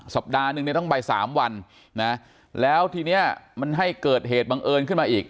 สัปดาห์นึงเนี่ยต้องไปสามวันนะแล้วทีนี้มันให้เกิดเหตุบังเอิญขึ้นมาอีก